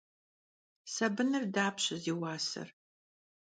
Sabınır dapşe zi vuaser?